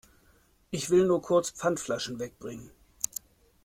Ich will nur kurz Pfandflaschen wegbringen.